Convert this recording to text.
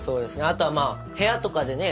あとはまあ部屋とかでね